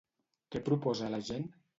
Què proposa la gent?